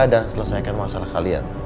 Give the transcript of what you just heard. dan selesaikan masalah kalian